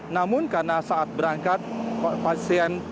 namun karena saat berangkat pasien